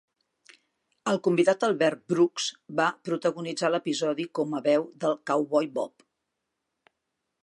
El convidat Albert Brooks va protagonitzar l'episodi com a veu del cowboy Bob.